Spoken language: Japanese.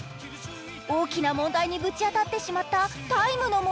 大きな問題にぶち当たってしまった「ＴＩＭＥ，の森」。